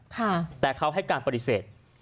แต่เขาให้การปฏิเสธ